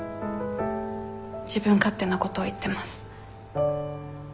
自分勝手なこと言ってます。